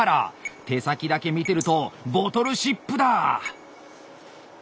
手先だけ見てるとボトルシップだ！